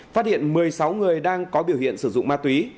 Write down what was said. phát hiện một mươi sáu người đang có biểu hiện sử dụng ma túy